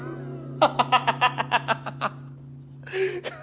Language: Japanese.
ハハハハハ！